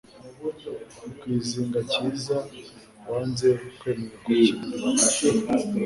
Ikizinga cyica uwanze kwemerako kimuriho